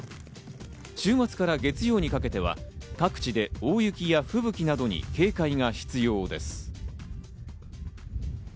週末から月曜にかけては各地で大雪や吹雪などに警戒が必要です。